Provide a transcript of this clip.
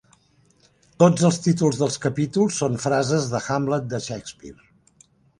Tots els títols dels capítols són frases de 'Hamlet' de Shakespeare.